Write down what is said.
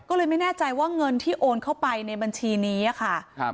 ก็เลยไม่แน่ใจว่าเงินที่โอนเข้าไปในบัญชีนี้อะค่ะครับ